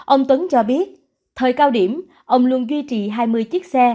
ông tuấn cho biết thời cao điểm ông luôn duy trì hai mươi chiếc xe